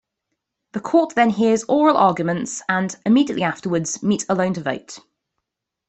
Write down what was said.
The Court then hears oral arguments and, immediately afterwards, meet alone to vote.